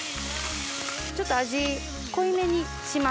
ちょっと味濃いめにします。